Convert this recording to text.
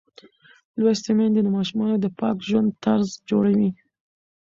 لوستې میندې د ماشومانو د پاک ژوند طرز جوړوي.